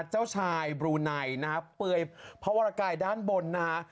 เจ้าชายบลูไนนะครับเปื่อยพระวรกายด้านบนนะฮะ